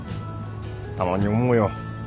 たまに思うよ